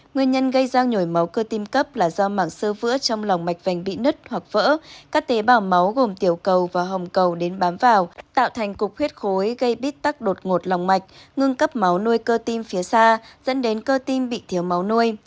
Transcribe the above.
nguyên nhân gây ra nhồi máu cơ tim cấp là do mảng sơ vữa trong lòng mạch vành bị nứt hoặc vỡ các tế bào máu gồm tiểu cầu và hồng cầu đến bám vào tạo thành cục huyết khối gây bít tắc đột ngột lòng mạch ngưng cấp máu nuôi cơ tim phía xa dẫn đến cơ tim bị thiếu máu nuôi